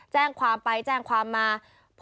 แจ้งความไปแจ้งความมา